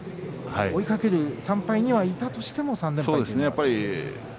追いかける３敗になったとしても３連敗は。